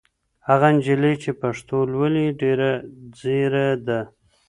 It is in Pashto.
هغه نجلۍ چې پښتو لولي ډېره ځېره ده.